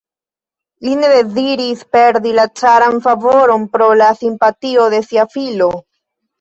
Li ne deziris perdi la caran favoron pro la simpatio al sia filo.